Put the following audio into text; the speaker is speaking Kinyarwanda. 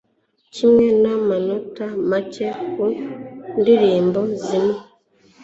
kimwe n'amanota make ku ndirimbo zimwe